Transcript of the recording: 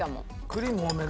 クリーム多めね？